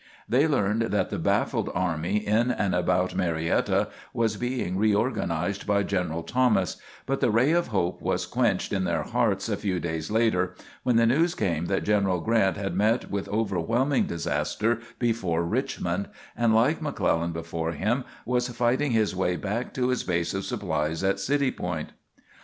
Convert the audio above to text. They learned that the baffled army in and about Marietta was being reorganized by General Thomas; but the ray of hope was quenched in their hearts a few days later, when the news came that General Grant had met with overwhelming disaster before Richmond, and, like McClellan before him, was fighting his way back to his base of supplies at City Point.